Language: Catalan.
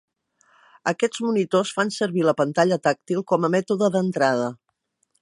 Aquests monitors fan servir la pantalla tàctil com a mètode d'entrada.